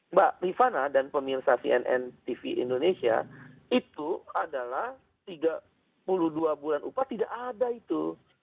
mbak rifana dan pemirsa cnn tv indonesia itu adalah tiga puluh dua bulan upah tidak ada itu